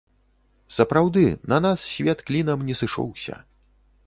Сапраўды, на нас свет клінам не сышоўся.